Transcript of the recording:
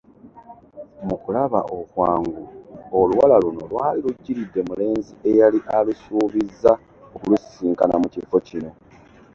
Mu kulaba okwangu, oluwala luno lwali lujjiridde mulenzi eyali alusuubizza okulusisinkana mu kifo kino.